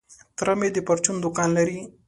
تره مي د پرچون دوکان لري .